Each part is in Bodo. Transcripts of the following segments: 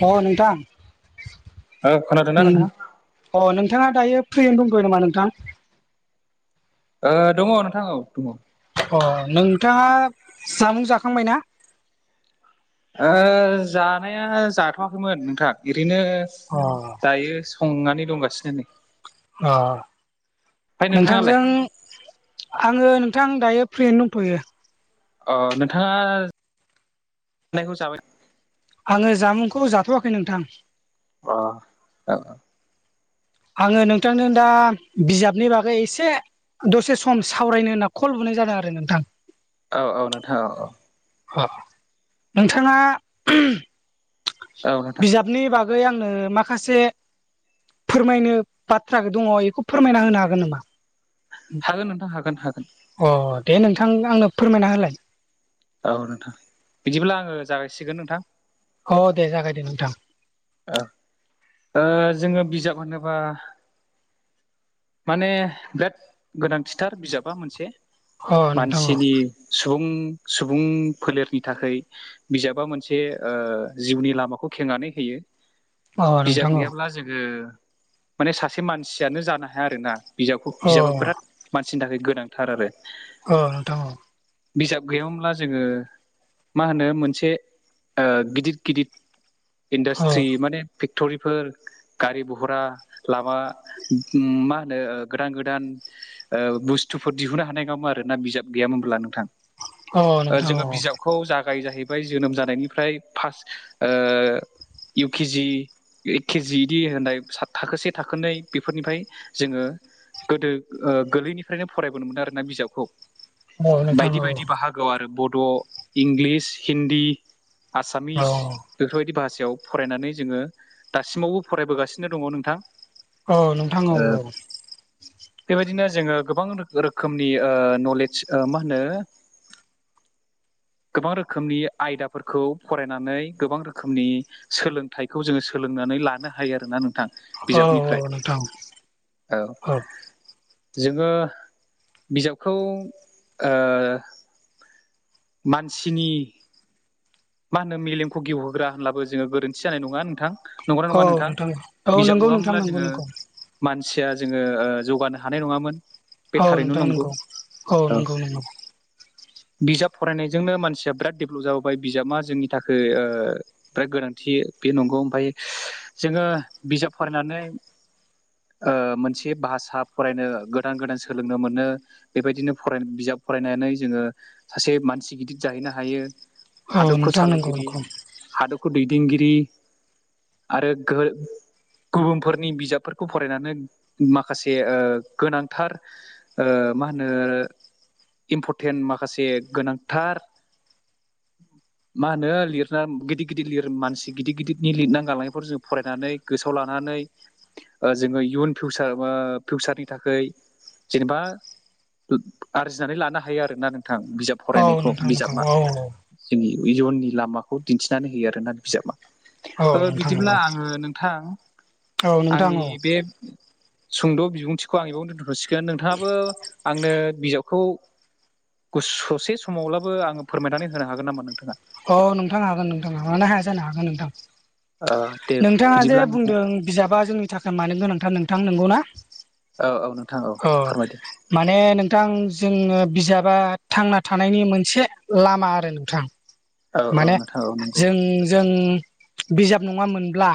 हेल' अ नोंथां। औ खोनादों ना उम नोंथां? अ नोंथाङा दायो फ्रियैनो दंथयो नामा नोंथां? ओ दङ नोंथां औ दङ। अ नोंथाङा जामुं जाखांबाय ना? ओ जानाया जाथ'वाखैमोन नोंथां ओरैनो अ दायो संनानै दंगासिनो नै अ ओमफ्राय नोंथाङालाय नोंथांजों आङो नोंथां दायो फ्रियैनो दंथ'यो अ नोंथाङा नायखौ जाबाय आङो जामुंखौ जाथ'वाखै नोंथां। अ औ। आङो नोंथांनो दा बिजाबनि बागै एसे दसे सम सावरायनो होनना कल बुय जादों आरो नोंथां। औ औ नोंथाङ औ औ। नोंथाङा औ नोंथां बिजाब नि बागै आंनो माखासे फोरमायनो बाथ्राखौ दङ बेखौ फोरमायना होनो हागोन नामा? हागोन नोंथां हागोन हागोन। अ दे नोंथां आंनो फोरमायना होलाय औ नोंथां बिदिब्ला आङो जागायसिगोन नोंथां। अ दे जागाय दे नोंथां। ओ जोङो बिजाब होनोबा माने बिराद गोनांथिथार बिजाबा मोनसे अ नोंथां मानसिनि सुबुं सुबुं फोलेरनि थाखाय बिजाबा मोनसे ओ जिउनि लामाखौ खेंनानै होयो। अ बिजाब नोंथां अ गैयाब्ला जोङो माने सासे मानसियानो जानो हाया आरोना। बिजाबखौ अ बिजाबा बिराद मानसिनि थाखाय गोनांथार आरो। अ नोंथां अ बिजाब गैयामोनब्ला जोङो मा होनो मोनसे ओ गिदिर गिदिर अ इन्डास्ट्रि माने फेक्ट'रिफोर गारि बहरा लामा मा होनो गोदान गोदान ओ बुस्थुफोर दिहुननो हानाय नङामोन आरो ना बिजाब गैयामोनब्ला नोंथां। अ नोंथां अ जोङो बिजाबखौ जागाय जाहैबाय जोनोम जानायनिफ्राय फार्स्ट इउखि जि एक केजि बिदि होननाय सा थाखोसे थाखोनै बेफोरनिफ्राय जोङो गोदो गोरलैनिफ्रायनो फरायबोनो मोनो आरोना बिजाबखौ। औ नोंथां बायदि औ बायदि बाहागोआव आरो बड' इंलिस हिन्दी औ आसामिस बेफोरबायदि भाषायाव फरायनानै जोङो दासिमावबो फरायबोगासिनो दङ नोंथां। औ नोंथां औ ओ औ। बेबायदिनो जोङो गोबां रोखोमनि ओ नलेज मा होनो गोबां रोखोमनि आयदाफोरखौ फरायनानै गोबां रोखोमनि सोलोंथाइखौ जोङो सोलोंनानै लानो हायो आरोना नोंथां। औ औ बिजाबनिफ्राय नोंथां औ। जोङो बिजाबखौ ओ मानसिनि मा होनो मेलेमखौ गिवहोग्रा होनब्लाबो जोङो गोरोन्थि जानाय नङा नोंथां नंग'ना औ नङा नोंथां? औ बिजाब नंगौ नोंथां नङामोनब्ला नंगौ जोङो नंगौ मानसिया जोङो ओ जौगानो हानाय नङामोन। बे औ थारैनो नोंथां नंगौ औ। नंगौ नंगौ बिजाब फरायनायजोंनो मानसिया बिराद डेभलप जाबोबाय बिजाबा जोंनि थाखाय फ्राय गोनांथि बे नंगौ ओमफाय जोङो बिजाब फरायनानै मोनसे भाषा फरायनो गोदान गोदान सोलोंनो मोनो। बेबायदिनो फराय बिजाब फरायनानै जोङो सासे मानसि गिदिर जाहैनो हायो। औ हादरखौ नोंथां नंगौ सालायगिरि नंगौ हादरखौ दैदेनगिरि आरो गो गुबुनफोरनि बिजाबफोरखौ फरायनानै माखासे ओ गोनांथार ओ मा होनो इम्परटेन्ट माखासे गोनांथार [inaudible] मा होनो लिरना गिदिर गिदिर लिर मानसि गिदिर गिदिरनि लिरना गालांनायफोर जों फरायनानै गोसोआव लानानै जोङो इयुन फिसार फिउसारनि थाखाय जेनेबा आरजिनानै लानो हायो आरोना नोंथां बिजाब औ फरायनायखौ नोंथां नंगौ बिजाबा औ जोंनि इयुननि लामाखौ दिन्थिनानै होयो आरोना औ बिजाबा। नोंथां नंगौ बिदिब्ला आङो नोंथां औ नोंथां आंनि औ बे सुंद' बिबुंथिखौ आं बेबावनो दोनथ' थ'सिगोन नोंथाङाबो आंनो बिजाबखौ गु ससे समावब्लाबो आङो फोरमायनानै होनो हागोन नामा नोंथाङा? औ नोंथां हागोन नोंथां मानो हाया जानो हागोन नोंथां। दे नोंथाङा जे बिदिब्ला नोंथां बुंदों बिजाबा जोंनि थाखाय मानो गोनांथार नोंथां नंगौना। औ औ नोंथां औ फोरमायदो। माने नोंथां जोंनो बिजाबा थांना थानायनि मोनसे लामा आरो नोंथां। औ औ माने नोंथां औ नंगौ जों जों बिजाब नङामोनब्ला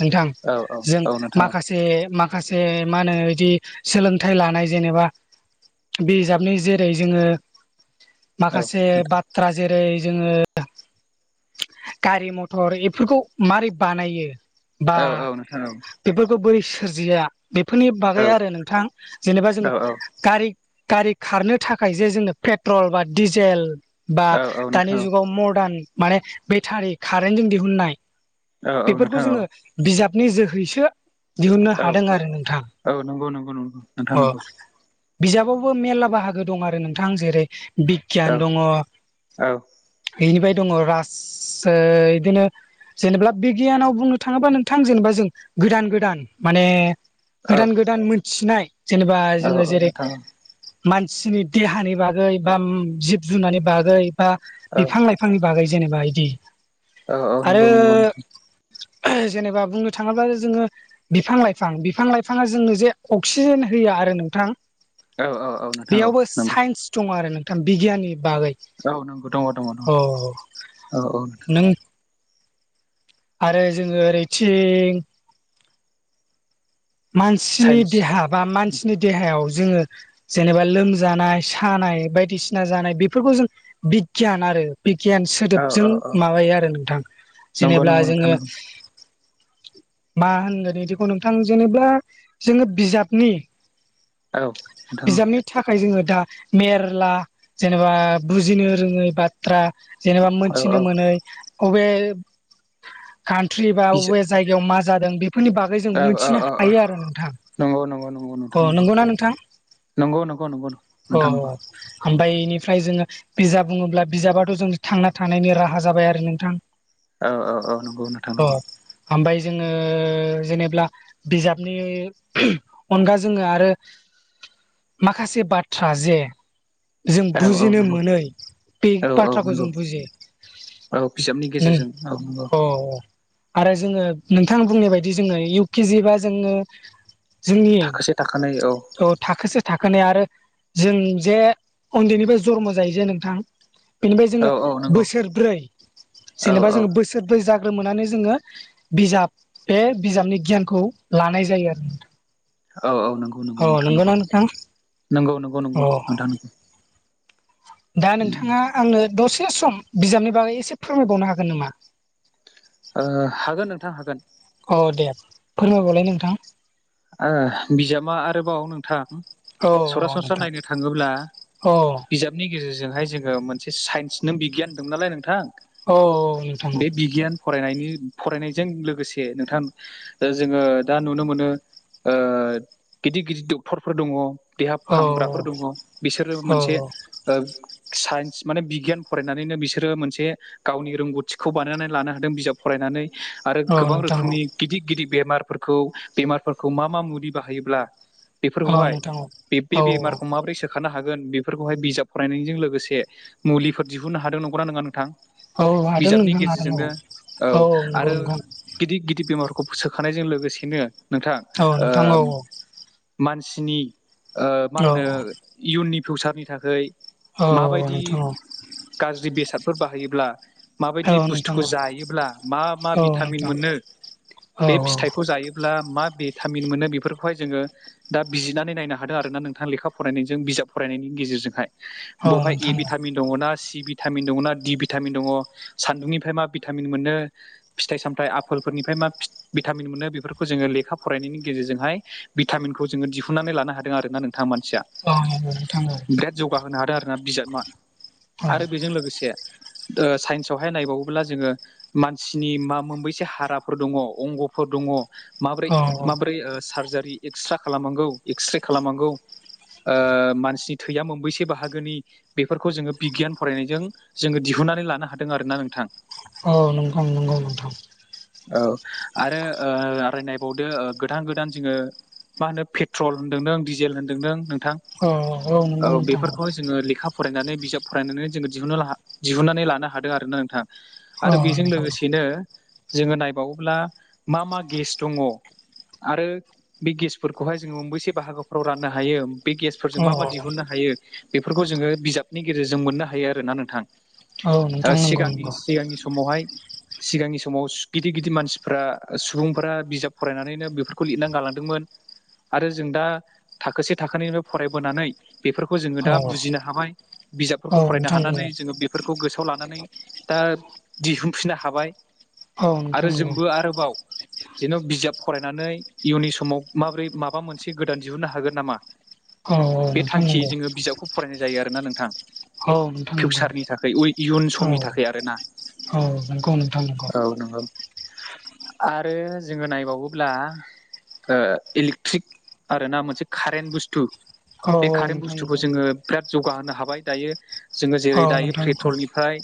नोंथां औ औ जों औ नोंथां माखासे ‌ जे माखासे मा होनो बिदि सोलोंथाइ लानाय जेनेबा बे बिजाबनि जेरै जोङो औ औ माखासे नोंथां बाथ्रा जेरै जोङो गारि मथर बेफोरखौ मारै बानायो बा औ औ नोंथां बेफोरखौ बै सोरजिया बेफोरनि औ बागै आरो नोंथां जेनेबा जोङो औ गारि- गारि खारनो थाखाय जे जोंनो पेट्रल बा डिजेल बा औ औ दानि नोंथां जुगाव मदार्न माने बेटारि कारेन्टजों दिहुननाय औ औ बेफोरखौ नोंथां जोङो बिजाबनि जोहैसो दिहुननो औ औ हादों आरो नोंथां। औ नंगौ नंगौ नंगौ नोंथां नंगौ बिजाबावबो मेर्ला बाहागो दं आरो नोंथां जेरै बिगियान औ दङ, औ बेनिफ्राय दङ राज बिदिनो जेनेबा बिगियानाव बुंनो थाङोबा नोंथां जेनेबा जों गोदान गोदान माने औ गोदान गोदान मोनथिनाय जेनेबा औ जोङो औ जेरै नोंथां मानसिनि देहानि बागै बा जिब जुनारनि बागै बा औ बिफां लाइफां फांनि बागै जेनेबा बिदि औ औ आरो नंगौ नंगौ नोंथां जेनेबा बुंनो थाङोब्ला जोङो बिफां लाइफां बिफां लाइफाङा जोंनो जे अक्सिजेन होयो आरो नोंथां। औ औ औ नोंथां औ बेयावबो नंगौ साइन्स दङ आरो नोंथां बिगियाननि बागै औ नंगौ दङ दङ दङ औ औ औ। नों आरो जोङो ओरै थिं मानसिनि साइन्स देहा बा मानसिनि देहायाव जोङो जेनेबा लोमजानाय सानाय बायदिसिना जानाय बेफोरखौ जों बिगियान आरो बिगियान औ सोदोबजों औ औ माबायो आरो नोंथां नंगौ जेनेा नंगौ नोंथां जोङो नंगौ मा होनगोन इदिखौ नोंथां जेनेब्ला जोङो बिजाबनि औ नोथां औ बिजाबनि थाखाय जोङो दा मेरला जेनेबा बुजिनो रोङै बाता् जेनेबा औ औ मिथिनो औ मोनै अबे कान्ट्रि बा अबे बिजाब जायग बेयाव मा जादों बिफोरनि बागै जों औ मिथिनो औ औ औ हायो आरो नोंथां नंगौ नंगौ नंगौ अ नोंथां नंगौ नंगौना नोंथां? नंगौ नंगौ नंगौ नोंथां नंगौ। ओमबाय इनिफ्राय जोङो। बिजाब बुङोब्ला बिजाबाथ' जोंनि थांना थानायनि राहा जाबाय आरो नोंथां। औ औ औ नोंगौ नोंथां नोंगौ। ओमबाय जोङो जेनेब्ला बिजाबनि [unintelligible] अनगा जोङो आरो। माखासे बाथ्रा जे जों औ औ बुजिनो नंगौ मोनै बे औ औ बाथ्राखौ नंगौ जों बुजियो। औ बिजाबनि नों गेजेरजों औ नोंगौ अ आरो जोङो नोंथां बुंनाय बायदि जोङो इउ के जि बा जोङो। जोंनि थाखोसे थाखानाय औ अत थाखोसे थाखोनै आरो जों जे उन्दैनिफ्राय जन्म जायो जे नोंथां बेनिफ्राय जोङो औ औ नंगौ बोसोरब्रै औ जेनेबा औ जोङो बोसोर सोरबै् जाग्रो मोनानै जोङो बिजाब बे बिजाबनि गियान खौ लानाय जायो आरो औ औ नंगौ नंगौ औ नोंथौ नंगौना नंगौ नोंथां नंगौ अ नंगौ नोंथां। दा नोंथाङा आंनो दसे सम बिजाबनि बागै एसे फोरमायबावनो हागोन नामा? ओ हागोन नोंथां हागोन अ दे फोरमायबावलाय नोंथां। ओ बिजाबा आरोबाव नोंथां। औ औ सरासनस्रा नोंथां नायनो थाङोब्ला औ बिजाब बेनि गेजेरजोंहाय जोङो मोनसे साइन्स नों बिगियान होनदों नालाय नोंथां। औ नोंथां औ बे बिगियान। फरायनायनि फरायनायजों लोगोसे नोंथां ओ जोङो दा नुनो मोनो। ओ गिदिर गिदिर डक्टरफोर दङ। देहा औ फामग्राफोर दङ बिसोरो औ मोनसे। ओ साइन्स माने बिगियान फरायनानैनो बिसोरो मोनसे गावनि रोंगौथिखौ बानायनानै लानो हादों बिजाब फरायनानै। आरो औ गोबां नोंथां रोखोमनि गिदिर गिदिर बेमारफोरखौ बेमारफोरखौ मा मा मुलि बाहायोब्ला औ बिफोरखौहाय नोंथां औ बे औ बेमारखौ माबोरै सो ओखारनो हागोन बेफोरखौहाय बिजाब फरायनायजों लोगोसे मुलिफोर दिहुननो हादों नंगौना नङा नोंथां? औ हादों बिजाबनि नोंथां हादों औ गेजेरजोंनो औ आरो गिदिद गिदिद बेमारफोरखौ सोखानायजों लोगोसेनो नोंथां औ ओ नोंथां औ मानसिनि ओ मा औ होनो इयुननि फिउचारनि थाखै। औ माबायदि नोंथां औ गाज्रि बेसादफोर बाहायोब्ला औ माबायदि नोंथां बुस्थुखौ जायोब्ला मा मा औ बिथामिन नोंथां मोनो औ बे फिथाइखौ जायो। ब्ला मा बेथामिन मोनो बेफोरखौहाय जोङो। दा बिजिरनानै नायनो हादों आरो ना नोंथां लेखा फरायनायजों बिजाब फरायनायनि गेजेरजोंहाय औ बहाय ए नोंथां भिटामिन दङ ना सि भिटामिन दङ ना डि भिटामिन दङ सान्दुंनिफ्राय मा भिटामिन मोनो। फिथाइ सामथाय आफोलफोरनिफ्राय मा फित भिटामिन मोनो बेफोरखौ जोङो लेखा फरायनायनि गेजेरजोंहाय बिथामिनखौ जोङो दिहुननानै लानो हादों आरो ना नोंथां मानसिया औ नोंथां औ। बिराद जौगाहोनो हादों आरोना बिजाबा आरो बेजों लोगोसे ओ साइन्सआवहाय नायबावोब्ला जोङो। मानसिनि मा मोनबैसे हाराफोर दङ अंगफोर दङ माबोरै औ मै सार्जारि एक्सरे खालामनांगौ एक्स्रे खालामनांगौ ओ मानसिनि थैया मोनबैसे बाहागोनि बेफोरखौ जोङो बिगियान फरायनायजों जोङो दिहुनन्नानै लानो हादों आरोना नोंथां औ नंगौ नंगौ नोंथां औ आरो आरराय नायबावदो गोदान गोदान जोङो मा होनो पेट्रल होन्दों नों दिडिजेल होन्दों नों नोंथां औ औ नंगौ नोंथां औ बेफोरखौहाय जोङो लेखा फरायनानै बिजाब फरायनानै जोङो दिहुननो दिहुननानै लानो हादों आर ना नोंथां आरो औ बेजों नोंथां लोगोसेनो जोङो नायबावोब्ला मा मा गेस दङ आरो बे गेसफोरखौहाय जोङो मोनबेसे बाहागोफ्राव राननो हायो बे गेसफोरजों औ मा मा दिहुननो हायो बेफोरखौ जोङो बिजाबनि गेजेरजों मोननो हायो आरोना नोंथां औ नोंथां नंगौ सिगांनि नंगौ सिगांनि समावहाय सिगांनि समाव गिदिर गिदिर मानसिफोरा सुबुंफोरा बिजाब फरायनानैनो फोरखौ लिरनानै गालांदोंमोन आरो जों दा थाखोसे थाखोनिफ्राय फरायबोनानै बेफोरखौ जोङो औ दा बुजिनो हाबाय औ बिजाबफोरखौ फरायनो नोंथां नंगौ हानानै जोङो बे बेफोरखौ गोसोआव लानानै दा दिहुनफिननो हाबाय औ आरो नोंथां नंगौ जोंबो आरोबाव जेन' बिजाब फरायनानै इयुननि समाव माबोरै माबा मोनसे गोदान दिहुननो हागोन नामा औ औ बे नोंथां थांखि नंगौ जोङो बिजाबखौ फरायनाय जायो आरोोना नोंथां औ नंगौ फिउचारनि थाखाय इयुन समनि थाखाय औ आर ना औ नंगौ नोंथां नंगौ आरो जोङो नायबावोब्ला इलेक्ट्रिक आर ना मोनसे कारेन्ट बुस्थु औ बे कारेन्ट नंगौ बुस्थुखौ जोङो बिराद जौगाहोनो हाबाय दायो जोङो जेरै दायो पेट्रलनिफ्राय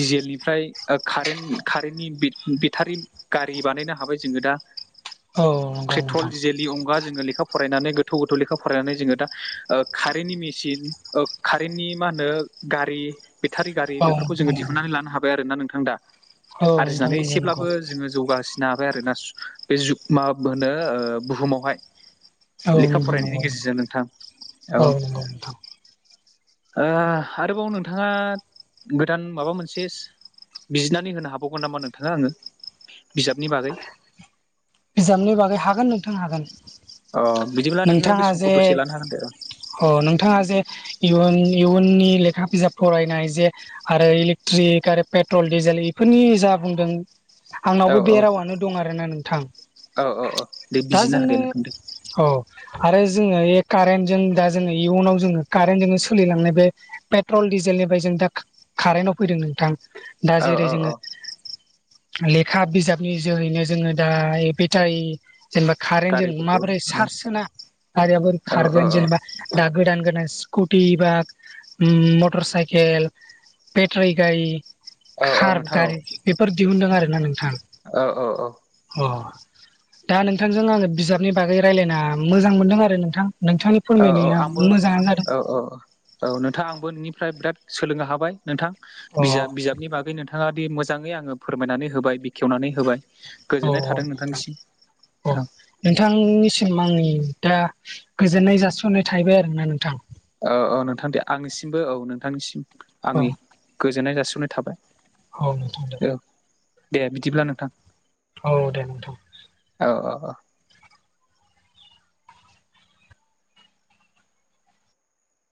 दिडिजेलनिफ्राय कारेन्ट कारेन्टनि बेटारि गारि बानायनो हाबाय जोङो दा औ पेट्रलडिजेल नि अंगा जोङो लेखा फरायनानै गोथौ गोथौ लेखा फरायनानै जोङो दा खारेनन्टनि मेसिन कारेन्टनि मा होनो गारि बेटारि गारि औ बेफोरखौ जोङो दिहुननानै लानो हाबाय आरो ना नोंथां दा औ नोंथां आरजिनानै नंगौ नंगौ एसेब्लाबो जोङो जौगासिनो नो हाबाय आरो ना बे माबा होनो बुहुमावहाय औ लेखा नोंथां नंगौ फरायनायनि गेजेरजों नोंथां औ [unintelligible] ओ आरोबाव नोंथाङा गोदान माबा मोनसे बिजिरनानै होनो हाबावगोन नामा नोंथाङा आङो बिजाबनि बागै बिजाबनि बागै हागोन नोंथां हागोन अ बिदिब्ला नोङो बे नोंथाङा समखौ जे दसे लानो हागोन दे अ नोंथाङा जे इयुन इयुननि लेखा बिजाब फरायनाय जे आरो इलेक्ट्रिक आरो पेट्रल डिजेल बेफोरनि जा बुंदों औ आंनावबो बे रावानो दं आरोना नोंथां औ औ औ दे दा बिजिना जोङो होदो नोंथां दे औ आरो जोङो बे कारेन्टजोंों दा जोङो इयुनाव जोङो कारेन्टजोंनो सोलिलांनाय बे पेट्रल डिजेलनिफ्राय जों दा कारेन्टआव फैदों नोंथां दा औ जेरै औ जोङो औ लेखा बिजाबनि जोहैनो जोङो दाबाय जाय जेनेबा कारेन्ट जों गारिफोरखौ माबोरै चार्ज सा गारिया बोरै औ औ खारगोन औ जेनेबा दा गोदान गोदान स्कुटि बाग मटर साइकेल पेट्रि गाय औ औ कार नोंथां औ गारि बेफोर दिहुनदों आरोना नोंथां औ औ औ अ। दा नोंथांजों आङो बिजाबनि बागै रायल्लायना मोजां मोन्दों आरो नोंथां नोंथां। औ औ फोरमायनाया आंबो मोजाङानो जादों। औ औ औ औ नोंथाङा आंबो निफ्राय बिराद सोलोंनो हाबाय नोंथां अ बिजाब बिजाब नि बागै नोंथाङा दि मोजाङै आङो फोरमायनानै होबाय बेखेवनानै होबाय। औ गोजोननाय थादों नोंथां नोंथांनिसिम औ ओं। नोंथांनिसिम आंनि दा गोजोननाय जासिहरनाय थाहैबाय आरो ना नोंथां। औ औ नोंथां दे आंनिसिमबो औ नोंथांनिसिम औ आंनि गोजोननाय जासिहरनाय थाबाय। औ [unintelligible] औ दे बिदिब्ला नोंथां। औ दे नोंथां। औ अ अ।